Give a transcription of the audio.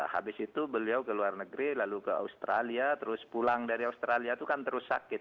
habis itu beliau ke luar negeri lalu ke australia terus pulang dari australia itu kan terus sakit